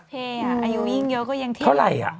เท่อะอายุยิ่งเยอะก็ยังเท่าไหร่อะ